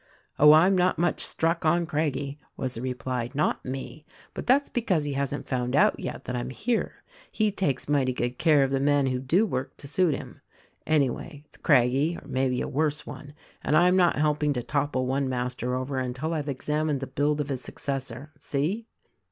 "Oh, I'm not much struck on Craggie," was the reply, "not me; but that's because he hasn't found out yet that I'm here — he takes mighty good care of the men who do work to suit him. Anyway, it's Craggie or maybe a worse one; and I'm not helping to topple one master over until I've examined the build of his successor. See?"